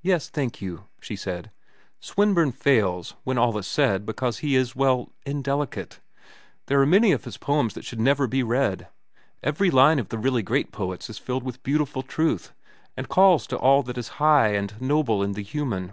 "Yes, thank you," she said. "Swinburne fails, when all is said, because he is, well, indelicate. There are many of his poems that should never be read. Every line of the really great poets is filled with beautiful truth, and calls to all that is high and noble in the human.